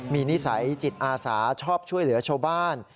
มีนิสัยจิตอาสาชอบช่วยเหลือชาวบ้าน